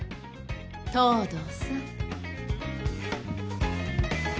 東堂さん。